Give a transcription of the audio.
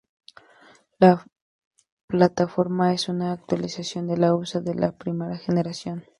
La plataforma es una actualización de la usada en la primera generación.